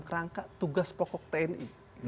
kerangka tugas pokok tni